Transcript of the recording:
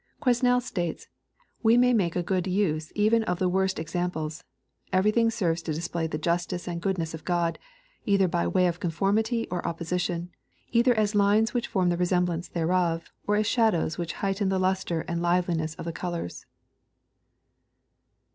Quesnel says, " We may make a good use even of the worst ex amples. Everything serves to display the justice and goodness of God, either by way of conformity or opposition, either as lines which form the resemblance thereof, or as shadows which heighten the luster and liveliness of the colors."